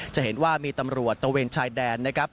จะเห็นว่ามีตำรวจตะเวนชายแดน